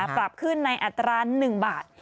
ปรับขึ้นในอัตรา๑บาท